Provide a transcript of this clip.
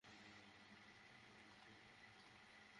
তাকে নিয়ে যাও!